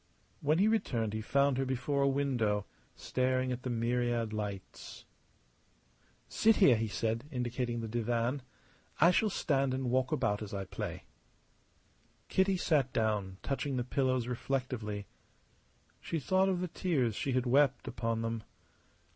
When he returned he found her before a window, staring at the myriad lights. "Sit here," he said, indicating the divan. "I shall stand and walk about as I play." Kitty sat down, touching the pillows, reflectively. She thought of the tears she had wept upon them.